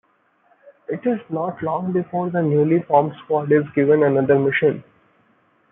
It is not long before the newly formed squad is given another mission.